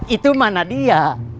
itu mah nadia